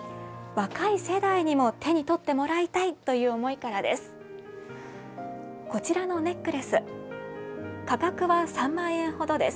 若い世代にも手に取ってもらいたいという思いからです。